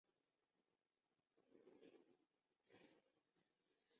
它位于盛港车厂附近地底。